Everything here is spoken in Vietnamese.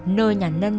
nơi nhà nân